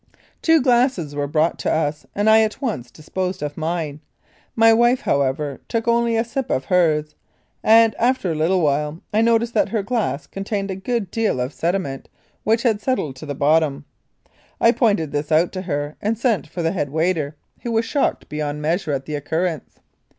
Two glasses were brought to us, and I at once disposed of mine. My wife, however, took only a sip of hers, and, after a little while, I noticed that her glass contained a good deal of sedi ment, which had settled at the bottom. I pointed this out to her and sent for the head waiter, who was shocked beyond measure at the occurrence.